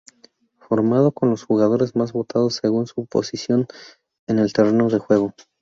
Formado con los jugadores más votados según su posición en el terreno de juego.